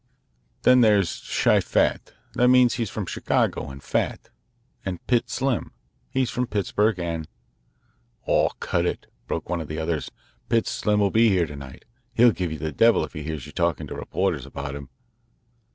Then there's Chi Fat that means he's from Chicago and fat. And Pitts Slim he's from Pittsburgh and " "Aw, cut it," broke in one of the others. "Pitts Slim'll be here to night. He'll give you the devil if he hears you talking to reporters about him."